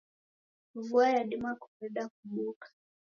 Vua yadima kureda kubuka .